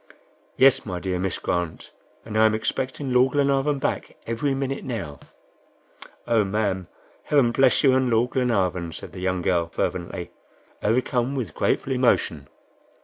"Yes, my dear Miss Grant, and I am expecting Lord Glenarvan back every minute now." "Oh, ma'am! Heaven bless you and Lord Glenarvan," said the young girl, fervently, overcome with grateful emotion.